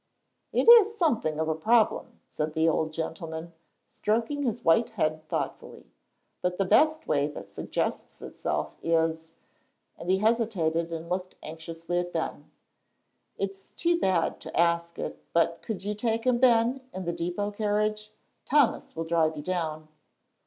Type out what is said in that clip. "It is something of a problem," said the old gentleman, stroking his white head thoughtfully, "but the best way that suggests itself is," and he hesitated and looked anxiously at Ben, "it's too bad to ask it, but could you take him, Ben, in the depot carriage? Thomas will drive you down."